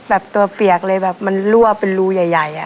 แบบตัวเปียกเลยแบบมันรั่วเป็นรูใหญ่อะ